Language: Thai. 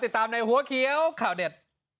ติดตามในหัวเขียวข่าวเด็ด